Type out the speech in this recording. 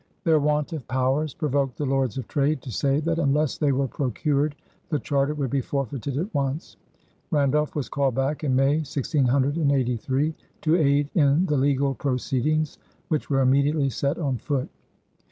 Their want of powers provoked the Lords of Trade to say that unless they were procured, the charter would be forfeited at once. Randolph was called back in May, 1683, to aid in the legal proceedings which were immediately set on foot.